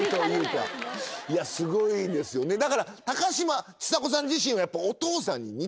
すごいですよねだから高嶋ちさ子さん自身はお父さんに。